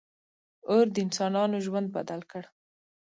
• اور د انسانانو ژوند بدل کړ.